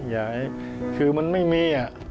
อย่าให้คือมันไม่มี